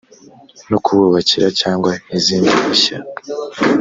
no kububakira cyangwa izindi mpushya